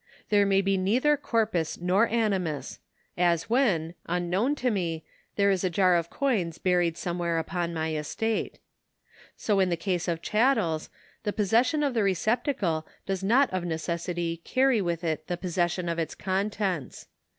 There may be neither corpus nor animus ; as when, unknown to me, there is a jar of coins buried somewhere upon my estate. So in the case of chattels, the possession of the receptacle does not of necessity carry with it the posses sion of its contents.